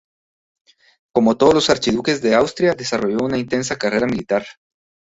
Como todos los archiduques de Austria desarrolló una intensa carrera militar.